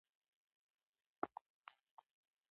الاریک یو ډاروونکی دښمن و.